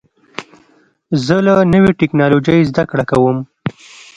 زه له نوې ټکنالوژۍ زده کړه کوم.